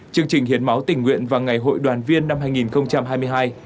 chương trình hiến máu tình nguyện và ngày hội đoàn viên năm hai nghìn hai mươi hai